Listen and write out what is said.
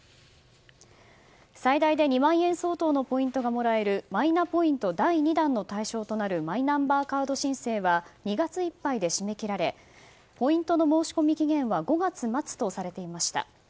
最大で２万円相当のポイントがもらえるマイナポイント第２弾の対象となるマイナンバーカード申請は２月いっぱいで締め切られポイントの申込期限は５月末とされていました。